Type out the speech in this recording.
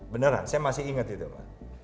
beneran saya masih ingat itu pak